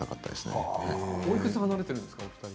お二人はおいくつ離れてるんですか？